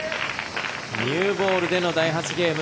ニューボールでの第８ゲーム。